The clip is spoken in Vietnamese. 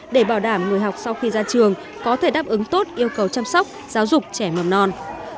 để bảo đảm người học sau khi ra trường có thể đáp ứng tốt yêu cầu chăm sóc giáo dục trẻ mầm non